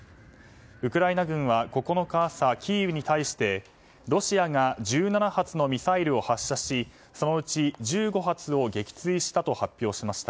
ウクライナ軍は９日朝キーウに対してロシアが１７発のミサイルを発射しそのうち１５発を撃墜したと発表しました。